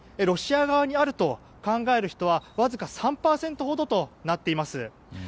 ロシア側にあると考える人はわずか３％ほどとなっています。